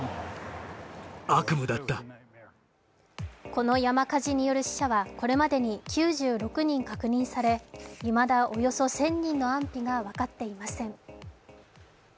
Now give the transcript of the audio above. この山火事による死者はこれまでに９６人確認され、いまだ、およそ１０００人の安否が分かっていません。